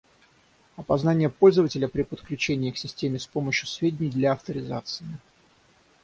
Опознание пользователя при подключении к системе с помощью сведений для авторизации